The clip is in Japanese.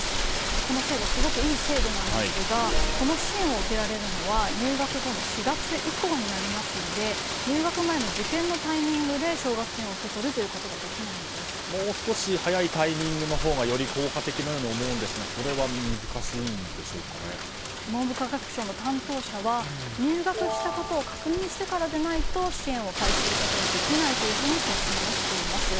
この制度はすごくいい制度なんですがこの支援を受けられるのは入学後の４月以降になりますので入学前の受験のタイミングで奨学金を受け取ることがもう少し早いタイミングのほうがより効果的なように思うんですが文部科学省の担当者は入学したことを確認してからでないと支援を開始することはできないと説明をしています。